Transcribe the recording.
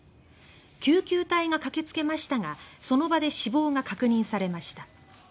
救急隊が駆けつけましたがその場で死亡が確認されました。